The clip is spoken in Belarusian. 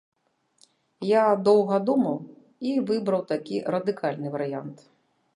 Я доўга думаў і выбраў такі радыкальны варыянт.